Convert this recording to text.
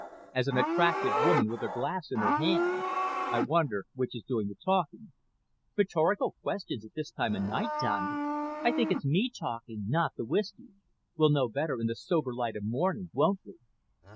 "As an attractive woman with a glass in her hand. I wonder which is doing the talking." "Rhetorical questions at this time of night, Donny? I think it's me talking, not the whisky. We'll know better in the sober light of morning, won't we?"